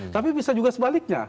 tapi bisa juga sebaliknya